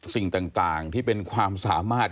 สิ่งต่างที่เป็นความสามารถ